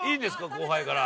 後輩から。